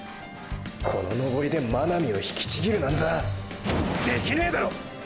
この登りで真波を引きちぎるなんざできねぇだろ！！